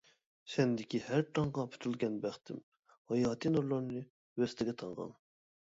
سەندىكى ھەر تاڭغا پۈتۈلگەن بەختىم، ھاياتى نۇرلارنى ۋەسلىگە تاڭغان!